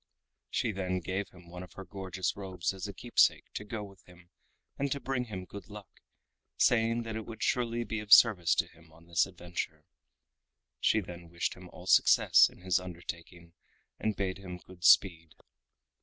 She then gave him one of her gorgeous robes as a keepsake to go with him and to bring him good luck, saying that it would surely be of service to him on this adventure. She then wished him all success in his undertaking and bade him good speed.